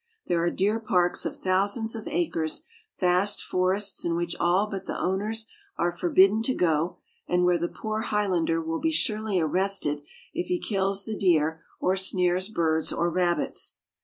There are deer parks of thousands of acres, vast forests in which all but the owners are forbidden to go, and where the poor Highlander will be surely arrested if he kills the deer or snares birds or rabbits.